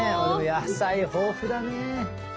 野菜豊富だね。